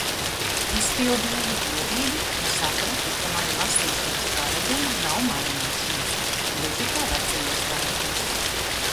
Izpildīju godīgi un sapratu, ka mani lasīšanas paradumi nav mainījušies. Gluži kā vecajos laikos.